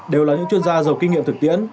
đều là những chuyên gia giàu kinh nghiệm thực tiễn